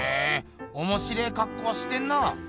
おもしれえかっこしてんな。